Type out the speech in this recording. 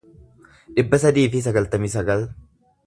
dhibba sadii fi sagaltamii sagal